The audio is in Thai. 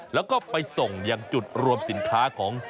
แล้วก็ไปส่งอย่างจุดรวมสินค้าของ